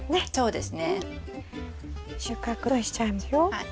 はい。